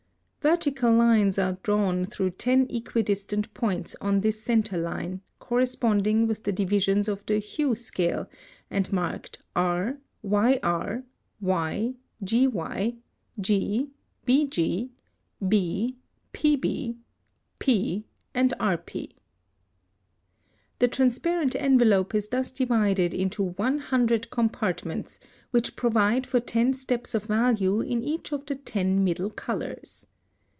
Vertical lines are drawn through ten equidistant points on this centre line, corresponding with the divisions of the hue scale, and marked R, YR, Y, GY, G, BG, B, PB, P, and RP. (135) The transparent envelope is thus divided into one hundred compartments, which provide for ten steps of value in each of the ten middle colors.